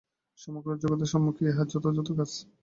সমগ্র জগতের সম্মুখে ইহাই যথার্থ কাজ।